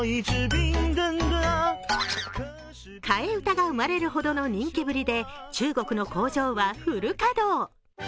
替え歌が生まれるほどの人気ぶりで、中国の工場はフル稼働。